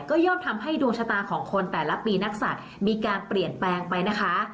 ก็ย่อมทำให้ดวงชะตาของคนแต่ละปีนักศัตริย์มีการเปลี่ยนแปลงไปนะคะ